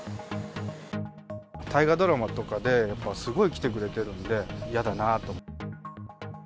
大河ドラマとかで、やっぱすごい来てくれてるんで、嫌だなあと。